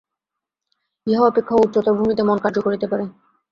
ইহা অপেক্ষাও উচ্চতর ভূমিতে মন কার্য করিতে পারে।